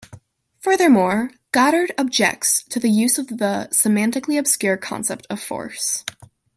Furthermore, Goddard objects to the use of the "semantically obscure concept of force".